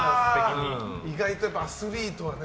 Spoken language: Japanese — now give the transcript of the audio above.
意外とアスリートはね